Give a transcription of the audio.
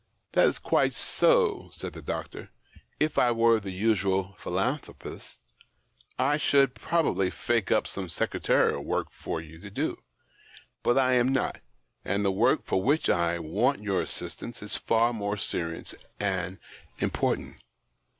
" That is quite so," said the doctor. " If I were the usual philanthropist, I should pro bably fake up some secretarial work for you to do. But I am not ; and the work for which I want your assistance is far more serious and important.